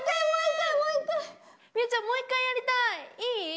いい？